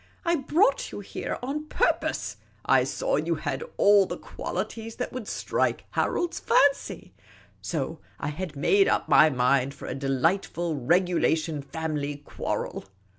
I brought you here on purpose. I saw you had all the qualities that would strike Harold's fancy. So I had made up my mind for a delightful regulation family quarrel.